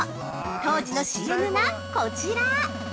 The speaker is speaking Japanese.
当時のＣＭがこちら！